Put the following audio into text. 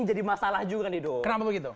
jadi masalah juga nih do kenapa begitu